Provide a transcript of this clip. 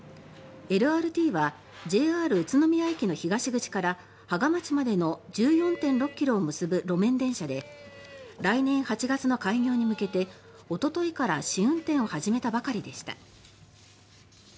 ＬＲＴはＪＲ宇都宮駅の東口から芳賀町までの１４．６ｋｍを結ぶ路面電車で来年８月の開業に向けておとといから試運転を始めたばかりでした。